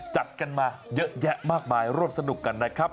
จัดกันมาเยอะแยะมากมายร่วมสนุกกันนะครับ